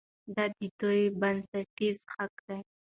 دا د دوی بنسټیز حق دی.